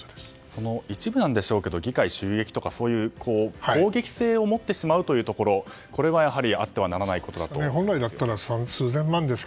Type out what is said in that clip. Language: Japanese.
その一部なんでしょうけど議会襲撃ですとかそういう攻撃性を持ってしまうというところはあってはならないことだと思います。